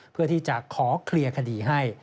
เพื่อที่จะขอเคลียร์คดีให้